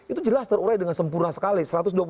itu jelas terurai dengan sempurna sekali